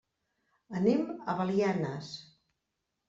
Anem a Belianes.